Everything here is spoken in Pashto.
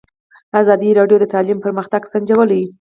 ازادي راډیو د تعلیم پرمختګ سنجولی.